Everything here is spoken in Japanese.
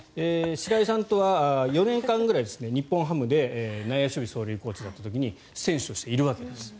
白井さんとは４年間ぐらい日本ハムで内野守備走塁コーチだった時に選手としているわけです。